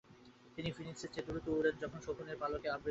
তিনি ফিনিক্সের চেয়ে দ্রুত উড়েন যখন তিনি শকুনের পালকে আবৃত হন।